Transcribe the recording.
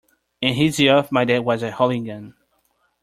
In his youth my dad was a hooligan.